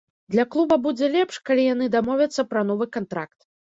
Для клуба будзе лепш, калі яны дамовяцца пра новы кантракт.